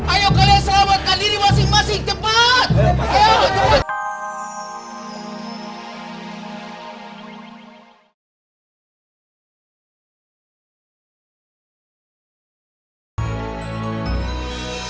ayo kalian selamatkan diri masing masing cepat